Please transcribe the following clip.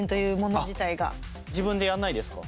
自分でやんないですか？